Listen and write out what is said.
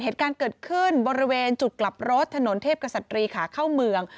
เหตุการณ์เกิดขึ้นบริเวณจุดกลับรถถนนเทพกษัตรีขาเข้าเมือง